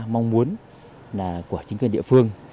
mong muốn là của chính quyền địa phương